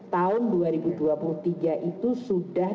tahun dua ribu dua puluh tiga itu sudah